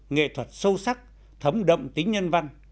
nghệ thuật sâu sắc thấm đậm tính nhân văn